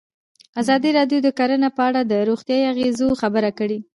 ازادي راډیو د کرهنه په اړه د روغتیایي اغېزو خبره کړې.